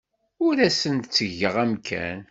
Ur asen-d-ttgeɣ amkan.